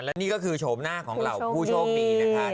และนี่ก็คือโฉมหน้าของเหล่าผู้โชคดีนะคะ